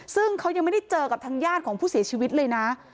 ซึ่งเขายังไม่ได้เจอกับทางญาติของผู้เสียชีวิตเลยนะ